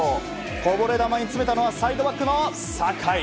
こぼれ球に詰めたのはサイドバックの酒井。